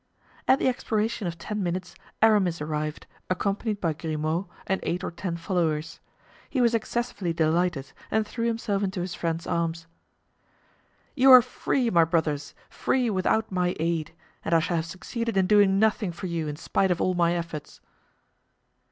At the expiration of ten minutes Aramis arrived, accompanied by Grimaud and eight or ten followers. He was excessively delighted and threw himself into his friends' arms. "You are free, my brothers! free without my aid! and I shall have succeeded in doing nothing for you in spite of all my efforts."